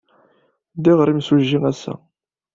Ddiɣ ɣer yimsujji ass-a.